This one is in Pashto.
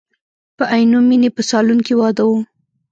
په عینومیني په سالون کې واده و.